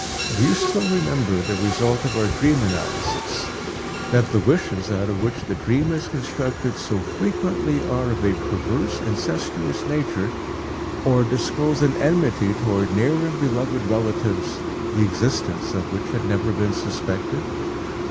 Do you still remember the result of our dream analysis, that the wishes out of which the dream is constructed so frequently are of a perverse, incestuous nature, or disclose an enmity toward near and beloved relatives the existence of which had never been suspected?